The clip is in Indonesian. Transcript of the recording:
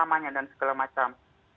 pemakamannya dan segala macam